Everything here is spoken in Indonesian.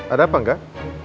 ada apa enggak